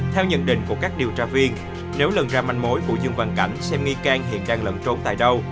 theo nhận định của các điều tra viên nếu lần ra manh mối của dương văn cảnh xem nghi can hiện đang lận trốn tại đâu